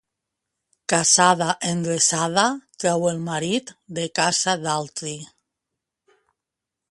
Casada endreçada treu el marit de casa d'altri.